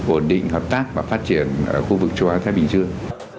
ổn định hợp tác và phát triển ở khu vực châu á thái bình dương